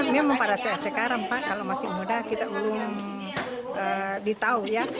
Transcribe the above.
memang pada saat sekarang pak kalau masih muda kita belum ditahu ya